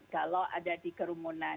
kalau ada di kerumunan